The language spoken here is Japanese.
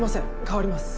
代わります。